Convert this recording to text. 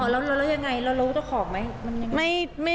แล้วยังไงรู้ตัวของมันยังไง